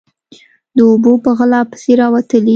_د اوبو په غلا پسې راوتلی.